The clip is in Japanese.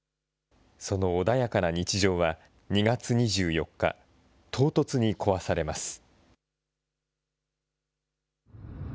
その穏やかな日常は、２月２４日、唐突に壊されます。